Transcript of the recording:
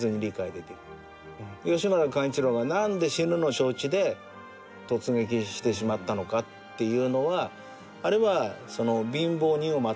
吉村貫一郎が何で死ぬの承知で突撃してしまったのかっていうのはあれは。